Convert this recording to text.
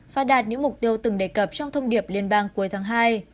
và đạt những mục tiêu từng đề cập trong thông điệp liên bang cuối tháng hai